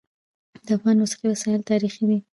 د افغان موسیقي وسایل تاریخي دي.